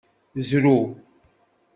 Zrew.